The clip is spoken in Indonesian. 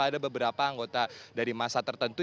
ada beberapa anggota dari masa tertentu